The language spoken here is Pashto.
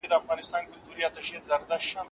سلیم فطرت انسان له غلطیو ژغوري.